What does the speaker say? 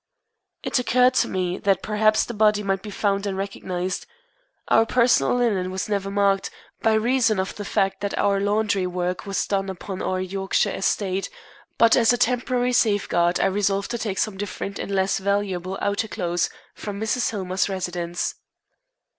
It occurred to me that perhaps the body might be found and recognized. Our personal linen was never marked, by reason of the fact that our laundry work was done upon our Yorkshire estate, but as a temporary safeguard I resolved to take some different and less valuable outer clothes from Mrs. Hillmer's residence.